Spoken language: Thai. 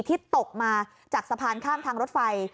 ที่ตกมาจากสะพานข้ามทางรถไฟ